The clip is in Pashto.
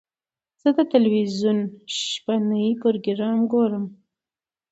زه د تلویزیون شپهني پروګرام ګورم.